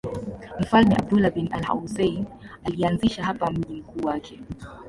Mfalme Abdullah bin al-Husayn alianzisha hapa mji mkuu wake.